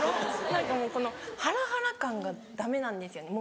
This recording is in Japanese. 何かもうこのハラハラ感がダメなんですよね